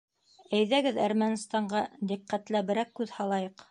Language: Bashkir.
Әйҙәгеҙ, Әрмәнстанға диҡҡәтләберәк күҙ һалайыҡ.